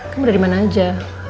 kamu dari mana aja